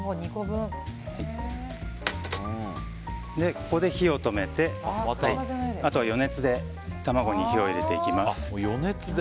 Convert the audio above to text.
ここで火を止めて、あとは余熱で卵に火を入れていきます。